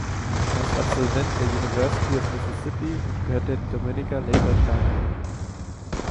Er ist Absolvent der University of Mississippi und gehört der Dominica Labour Party an.